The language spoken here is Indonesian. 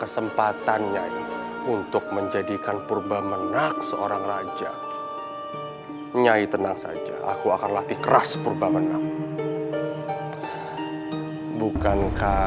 sudah tidak ada lagi saingan perubahan